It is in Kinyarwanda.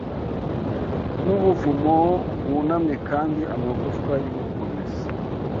nkubuvumo bwunamye Kandi amagufwa yubukomezi